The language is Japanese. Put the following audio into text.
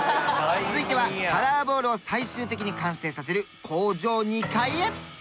続いてはカラーボールを最終的に完成させる工場２階へ。